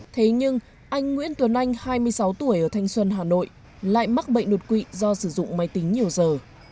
thế nhưng anh nguyễn tuấn anh hai mươi sáu tuổi ở thanh xuân hà nội lại mắc bệnh đột quỵ do sử dụng máy tính nhiều giờ